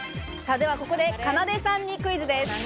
ではここでかなでさんにクイズです。